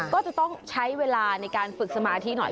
ก็จะต้องใช้เวลาในการฝึกสมาธิหน่อย